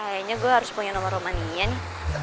kayaknya gue harus punya nomor romaninya nih